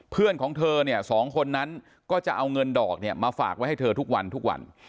เพื่อนของเธอเนี่ยสองคนนั้นก็จะเอาเงินดอกเนี่ยมาฝากไว้ให้เธอทุกวันทุกวัน